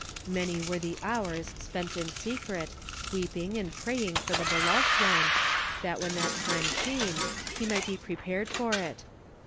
Many were the hoL snent in seeret, weeping and praying for the beloved one, l.at when that tin>e eame, he might be prepared or It.